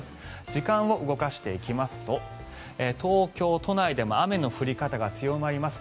時間を動かしていきますと東京都内でも雨の降り方が強まります。